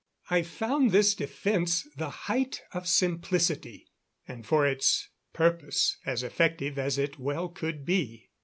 I found this defense the height of simplicity, and for its purpose as effective as it well could be.